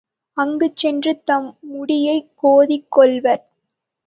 அங்குச் சென்று தம் முடியைக் கோதிக் கொள்வர்.